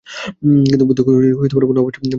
কিন্তু বুদ্ধ কোন আপসের পক্ষপাতী ছিলেন না।